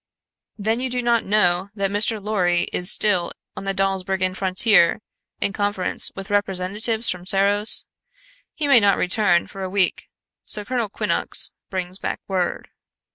"Then you do not know that Mr. Lorry is still on the Dawsbergen frontier in conference with representatives from Serros. He may not return for a week, so Colonel Quinnox brings back word."